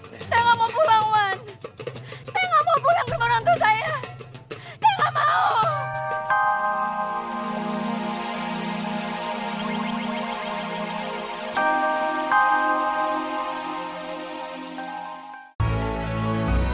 saya tidak mau pulang wan